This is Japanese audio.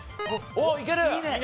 おっいける？